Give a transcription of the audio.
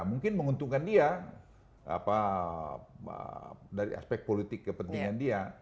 mungkin menguntungkan dia dari aspek politik kepentingan dia